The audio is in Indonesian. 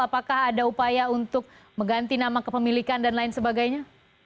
apakah ada upaya untuk mengganti nama kepemilikan dan lain sebagainya